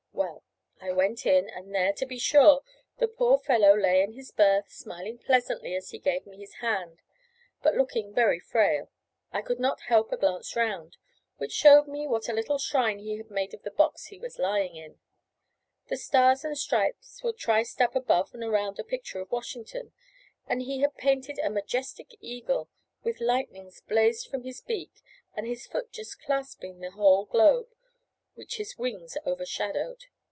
Well, I went in, and there, to be sure, the poor fellow lay in his berth, smiling pleasantly as he gave me his hand, but looking very frail. I could not help a glance round, which showed me what a little shrine he had made of the box he was lying in. The Stars and Stripes were triced up above and around a picture of Washington, and he had painted a majestic eagle, with lightnings blazing from his beak and his foot just clasping the whole globe, which his wings overshadowed.